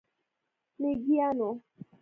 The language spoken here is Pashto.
میږیانو،